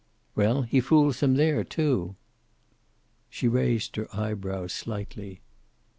"Well, he fools them there, too." She raised her eyebrows slightly.